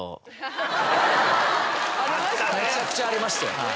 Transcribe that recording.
めちゃくちゃありました。